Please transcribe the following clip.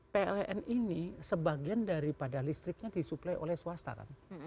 pln ini sebagian daripada listriknya disuplai oleh swasta kan